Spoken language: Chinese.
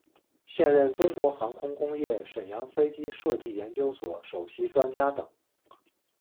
现任中国航空工业沈阳飞机设计研究所首席专家等。